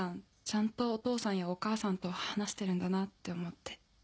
ちゃんとお父さんやお母さんと話してるんだなって思って。